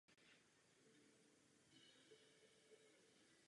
Později byla celá rodina nuceně přestěhována do Mariánských Lázní.